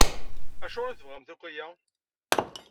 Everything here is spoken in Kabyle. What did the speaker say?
Acuɣer i tebɣamt akk aya?